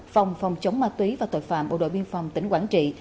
phòng phòng chống ma túy và tội phạm bộ đội biên phòng tỉnh quảng trị